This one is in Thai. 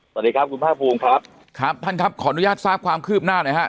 สวัสดีครับคุณภาคภูมิครับครับท่านครับขออนุญาตทราบความคืบหน้าหน่อยฮะ